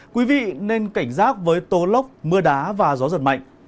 quý vị nên cảnh giác với tố lốc mưa đá và gió giật mạnh